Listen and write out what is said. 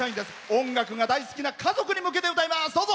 音楽が大好きな家族に向けて歌います。